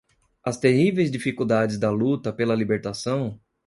as terríveis dificuldades da luta pela libertação